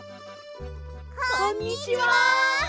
こんにちは！